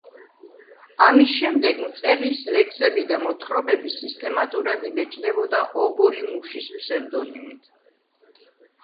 ამის შემდეგ მწერლის ლექსები და მოთხრობები სისტემატურად იბეჭდებოდა „ობოლი მუშის“ ფსევდონიმით.